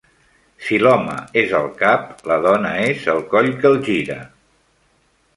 Si l'home és el cap, la dona és el coll que el gira.